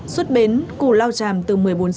xuất bến cù lao tràm từ một mươi bốn h